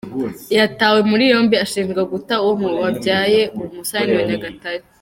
Yatawe muri yombi ashinjwa guta uwo yabyaye mu musarani Muri Nyagatare